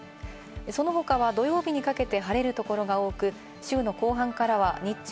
その他は土曜日にかけて晴れるところが多く、週の後半からは日中